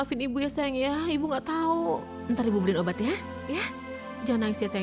ibu ayah kapan pulang